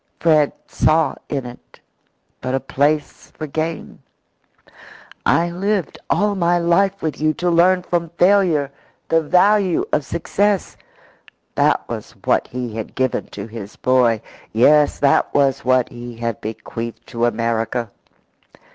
Fred saw in it but a place for gain. "I lived all my life with you to learn from failure the value of success." That was what he had given to his boy. Yes, that was what he had bequeathed to America.